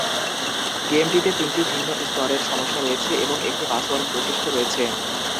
গেমটিতে তিনটি ভিন্ন স্তরের সমস্যা রয়েছে এবং একটি পাসওয়ার্ড বৈশিষ্ট্য রয়েছে।